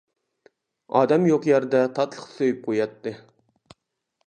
ئادەم يوق يەردە تاتلىق سۆيۈپ قوياتتى.